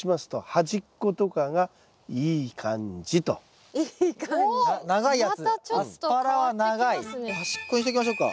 端っこにしときましょうか。